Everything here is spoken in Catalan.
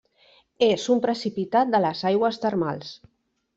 És un precipitat de les aigües termals.